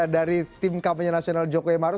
dari tim kampanye nasional jokowi maruf